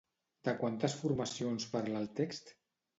De quantes formacions parla el text?